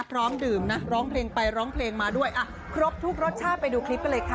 พร้อมดื่มนะร้องเพลงไปร้องเพลงมาด้วยอ่ะครบทุกรสชาติไปดูคลิปกันเลยค่ะ